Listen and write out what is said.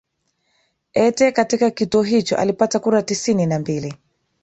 ete katika kituo hicho alipata kura tisini na mbili